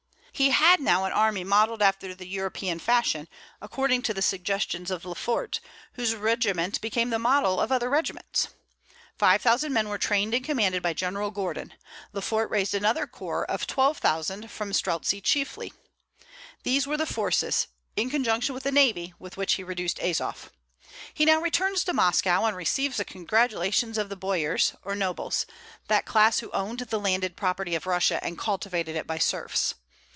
He had now an army modelled after the European fashion, according to the suggestions of Lefort, whose regiment became the model of other regiments. Five thousand men were trained and commanded by General Gordon. Lefort raised another corps of twelve thousand, from the Streltzi chiefly. These were the forces, in conjunction with the navy, with which he reduced Azof. He now returns to Moscow, and receives the congratulations of the boyars, or nobles, that class who owned the landed property of Russia and cultivated it by serfs.